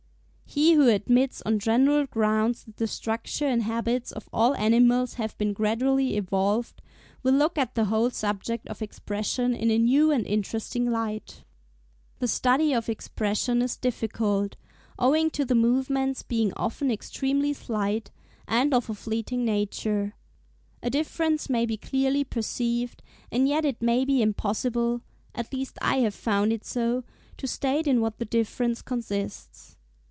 He who admits on general grounds that the structure and habits of all animals have been gradually evolved, will look at the whole subject of Expression in a new and interesting light. The study of Expression is difficult, owing to the movements being often extremely slight, and of a fleeting nature. A difference may be clearly perceived, and yet it may be impossible, at least I have found it so, to state in what the difference consists.